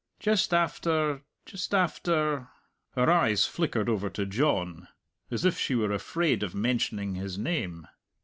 "Just after just after " Her eyes flickered over to John, as if she were afraid of mentioning his name.